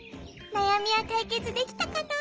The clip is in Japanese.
なやみはかいけつできたかな？